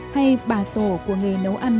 hay bà tổ của nghề nấu ăn